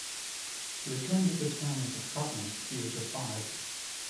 He returned with his family to Scotland at the age of five.